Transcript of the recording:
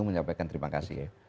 menyampaikan terima kasih